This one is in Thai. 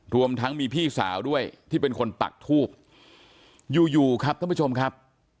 รวมทั้งมีพี่สาวด้วยที่เป็นคนปักทูบอยู่อยู่ครับท่านผู้ชมครับ